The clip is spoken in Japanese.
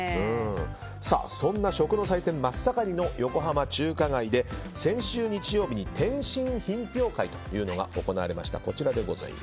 そんな食の祭典真っ盛りの横浜中華街で先週日曜日に点心品評会というのが行われました。